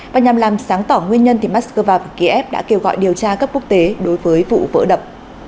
và nhằm làm sáng tỏ nguyên nhân moscow và kiev đã kêu gọi điều tra cấp quốc tế đối với vụ vỡ đập